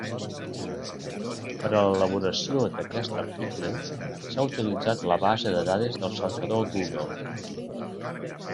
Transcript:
Per a l'elaboració d'aquest article s'ha utilitzat la base de dades del cercador Google.